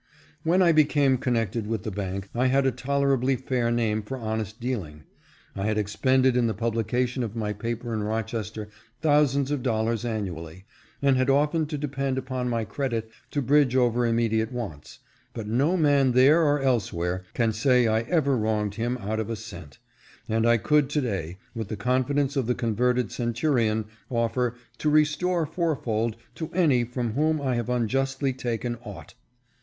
When I became connected with the bank I had a tol erably fair name for honest dealing; I had expended in the publication of my paper in Rochester thousands of dollars annually, and had often to depend upon my credit to bridge over immediate wants, but no man there or else where can say I ever wronged him out of a cent ; and I could, to day, with the confidence of the converted cen turion, offer " to restore fourfold to any from whom I have unjustly taken aught."